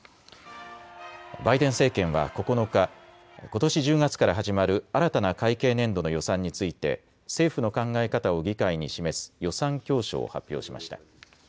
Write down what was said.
バイデン政権は９日、ことし１０月から始まる新たな会計年度の予算について政府の考え方を議会に示す予算教書を発表しました。